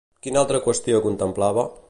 Quina altra qüestió contemplava?